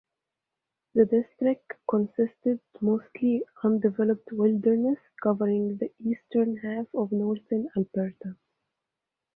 The district consisted mostly undeveloped wilderness covering the eastern half of northern Alberta.